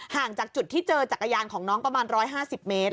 ห่างจากจุดที่เจอจักรยานของน้องประมาณ๑๕๐เมตร